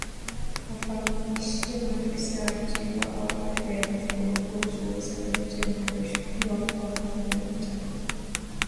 Wafahamishe maafisa wa tiba au afya ya mifugo kuhusu visa vyovyote vinavyoshukiwa kuwa kimeta